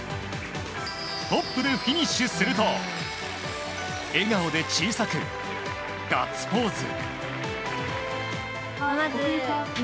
トップでフィニッシュすると笑顔で小さくガッツポーズ。